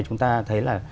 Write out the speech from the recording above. chúng ta thấy là